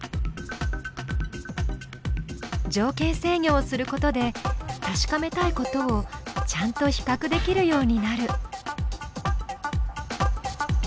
「条件制御」をすることで確かめたいことをちゃんと比較できるようになる。